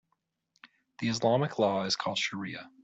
The Islamic law is called shariah.